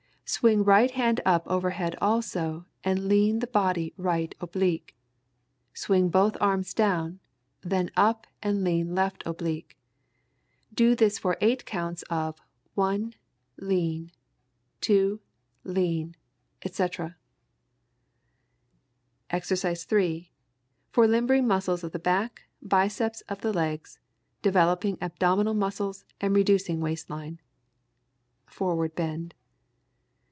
Swing right hand up over head also, and lean the body right oblique. Swing both arms down, then up and lean left oblique. Do this for eight counts of "one, lean; two, lean," etc. [Illustration: EXERCISE 3. For limbering muscles of the back, biceps of the legs, developing abdominal muscles and reducing waist line.] (Forward bend.)